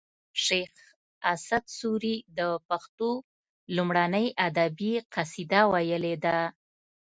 شیخ اسعد سوري د پښتو لومړنۍ ادبي قصیده ویلې ده